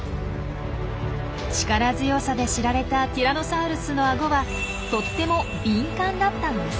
力強さで知られたティラノサウルスのアゴはとっても敏感だったんです。